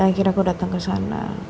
dan akhirnya aku datang kesana